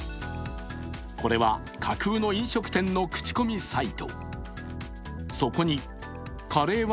これは架空の飲食店の口コミサイト。